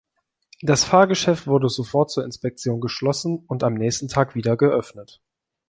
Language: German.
Das Fahrgeschäft wurde sofort zur Inspektion geschlossen und am nächsten Tag wieder geöffnet.